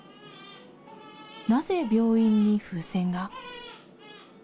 なぜ病院に風船が？